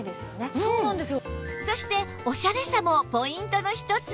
そしてオシャレさもポイントの一つ